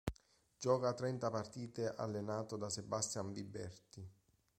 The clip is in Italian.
Gioca trenta partite, allenato da Sebastián Viberti.